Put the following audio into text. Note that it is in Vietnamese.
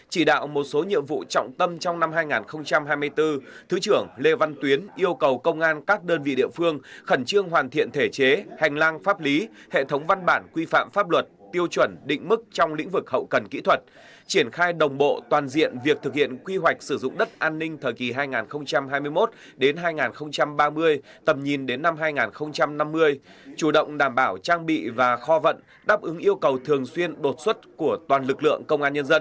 chỉ đạo một số nhiệm vụ trọng tâm trong năm hai nghìn hai mươi bốn thứ trưởng lê văn tuyến yêu cầu công an các đơn vị địa phương khẩn trương hoàn thiện thể chế hành lang pháp lý hệ thống văn bản quy phạm pháp luật tiêu chuẩn định mức trong lĩnh vực hậu cần kỹ thuật triển khai đồng bộ toàn diện việc thực hiện quy hoạch sử dụng đất an ninh thời kỳ hai nghìn hai mươi một hai nghìn ba mươi tầm nhìn đến năm hai nghìn năm mươi chủ động đảm bảo trang bị và kho vận đáp ứng yêu cầu thường xuyên đột xuất của toàn lực lượng công an nhân dân